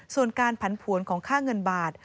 ส่วนการผันผวนของค่าเงินบาท